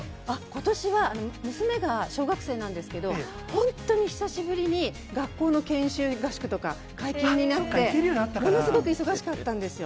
ことしは娘が小学生なんですけど、本当に久しぶりに学校の研修合宿とか、解禁になって、ものすごく忙しかったんですよ。